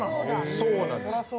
そうなんですよ。